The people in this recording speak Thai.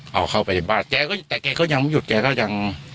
เอาเข้าไปในบ้านแกก็แต่แกก็ยังไม่หยุดแกก็ยัง